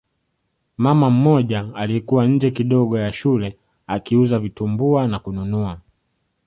Mama mmoja aliyekuwa nje kidogo ya shule akiuza vitumbua na kununua